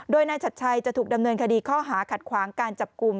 โดยนายชัดชัยจะถูกดำเนินคดีข้อหาขัดขวางการจับกลุ่ม